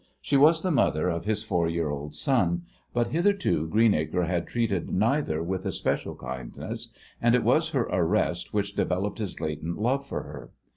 She was the mother of his four year old son, but, hitherto, Greenacre had treated neither with especial kindness, and it was her arrest which developed his latent love for her.